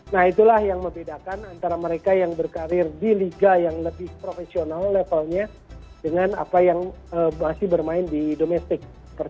nah itulah yang membedakan antara mereka yang berkarir di liga yang lebih profesional levelnya dengan apa yang masih bermain di domestik